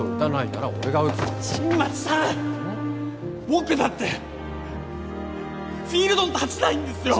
僕だってフィールドに立ちたいんですよ！